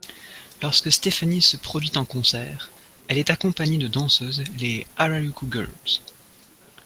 Lorsque Stefani se produit en concert, elle est accompagnée de danseuses, les Harajuku Girls.